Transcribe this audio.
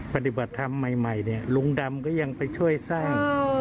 ปฏิบัติธรรมใหม่เนี่ยลุงดำก็ยังไปช่วยสร้าง